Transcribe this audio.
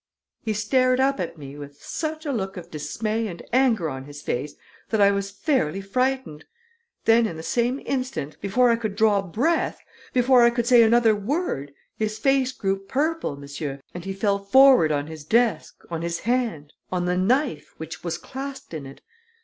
"He stared up at me with such a look of dismay and anger on his face that I was fairly frightened; then, in the same instant, before I could draw breath, before I could say another word, his face grew purple, monsieur, and he fell forward on his desk, on his hand, on the knife, which was clasped in it.